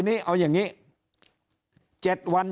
วันนี้เอาอย่างนี้๗วัน๗คลิป๗๐๐๐๐คืออะไร